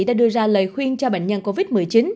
đã đưa ra lời khuyên cho bệnh nhân covid một mươi chín